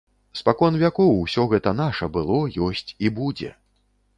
Спакон вякоў усё гэта наша было, ёсць і будзе.